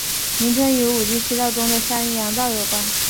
名称与五畿七道中的山阳道有关。